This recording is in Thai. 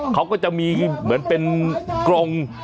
เขาก็จะมีเหมือนเป็นกรง